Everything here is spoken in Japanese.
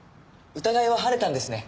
疑いは晴れたんですね。